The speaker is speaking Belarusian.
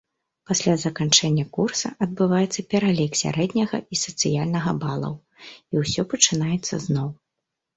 Пасля заканчэння курса адбываецца пералік сярэдняга і сацыяльнага балаў, і ўсё пачынаецца зноў.